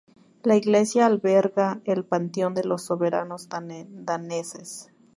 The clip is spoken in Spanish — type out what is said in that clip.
La iglesia alberga el panteón de los soberanos daneses.